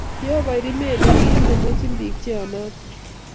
Jehova irimet ne kim ne mwechin bik che yanotin.